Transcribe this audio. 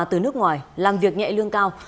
từ nước ngoài làm việc nhẹ lương cao